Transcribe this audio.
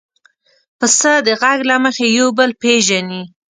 پسه د غږ له مخې یو بل پېژني.